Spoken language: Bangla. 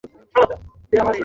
আমার পেছনে পড়ে থাকে শুধু।